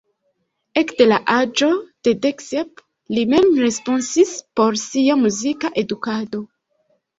Ekde la aĝo de dek sep li mem responsis por sia muzika edukado.